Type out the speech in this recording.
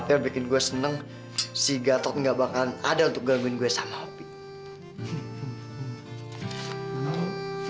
padahal bikin gue seneng si gatot gak bakalan ada untuk gangguin gue sama obe